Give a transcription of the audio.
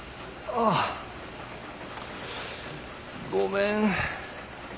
ああごめん。